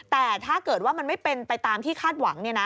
แต่ถ้าเกิดว่ามันไม่เป็นไปตามที่คาดหวัง